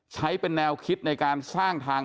ใช้เป็นแนวคิดในการสร้างทาง